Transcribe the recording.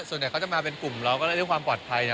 ส่วนใหญ่เขาจะมาเป็นกลุ่มเราก็เรื่องความปลอดภัย